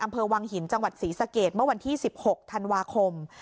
อำเภอวังหินจังหวัดศรีสะเกดเมื่อวันที่๑๖ธันวาคม